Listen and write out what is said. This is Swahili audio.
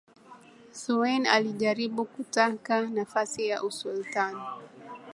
Thuwain alijaribu kutaka nafasi ya usultan